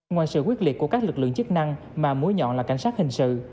ngoài sự quyết liệt của các lực lượng chức năng mà mũi nhọn là cảnh sát hình sự